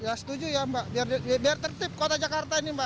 ya setuju ya mbak biar tertib kota jakarta ini mbak